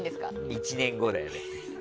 １年後だよね。